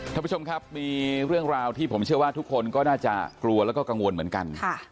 ท่านผู้ชมครับมีเรื่องราวที่ผมเชื่อว่าทุกคนก็น่าจะกลัวแล้วก็กังวลเหมือนกัน